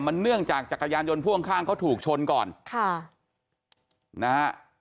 เนื่องจากจักรยานยนต์พ่วงข้างเขาถูกชนก่อนค่ะนะฮะ